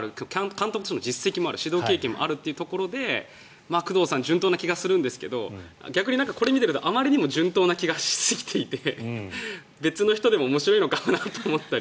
監督としての実績もある指導経験もあるというところで工藤さん順当な気がするんですが逆にこれを見ているとあまりにも順当な気がしすぎていて別の人でも面白いかもなと思ったり。